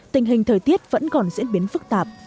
tình hình thời tiết vẫn còn diễn biến phức tạp